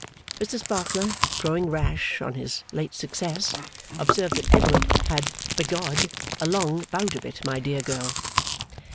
Mr Sparkler, growing rash on his late success, observed that Edward had had, biggodd, a long bout of it, my dear girl.